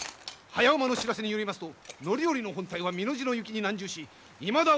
早馬の知らせによりますと範頼の本隊は美濃路の雪に難渋しいまだ